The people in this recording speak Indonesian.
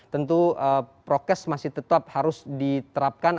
tentu prokes masih tetap harus diterapkan